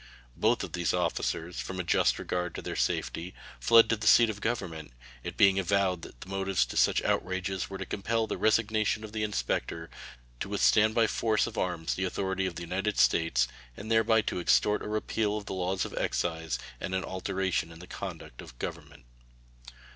Both of these officers, from a just regard to their safety, fled to the seat of Government, it being avowed that the motives to such outrages were to compel the resignation of the inspector, to withstand by force of arms the authority of the United States, and thereby to extort a repeal of the laws of excise and an alteration in the conduct of Government.